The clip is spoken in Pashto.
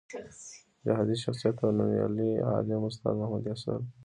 جهادي شخصیت او نومیالی عالم استاد محمد یاسر